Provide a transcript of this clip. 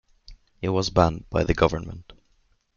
It was banned by the government.